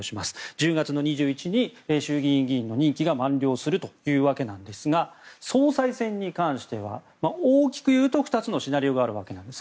１０月２１日に衆議院議員の任期が満了するというわけですが総裁選に関しては、大きく言うと２つのシナリオがあるわけです。